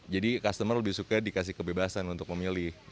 jadi customer lebih suka dikasih kebebasan untuk memilih